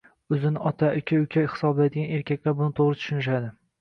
O'zini ota, aka -uka hisoblaydigan erkaklar buni to'g'ri tushunishadi.